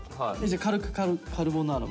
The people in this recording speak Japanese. じゃ軽くカルボナーラ。